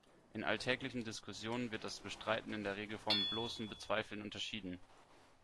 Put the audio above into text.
In alltäglichen Diskussionen wird das Bestreiten in der Regel vom bloßen Bezweifeln unterschieden.